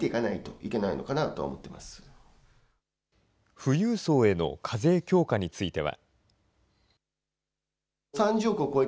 富裕層への課税強化については。